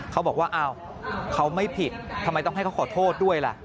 เขาบอกว่าอ้าวเขาไม่ผิดทำไมต้องให้เขาขอโทษด้วยล่ะ